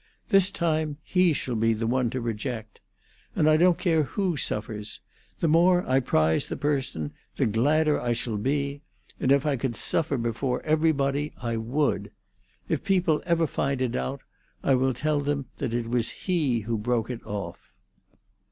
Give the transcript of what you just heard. This time he shall be the one to reject. And I don't care who suffers. The more I prize the person, the gladder I shall be; and if I could suffer before everybody I would. If people ever find it out, I will tell them that it was he who broke it off."